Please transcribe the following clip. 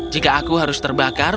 jika aku harus terbakar